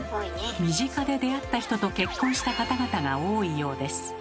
身近で出会った人と結婚した方々が多いようです。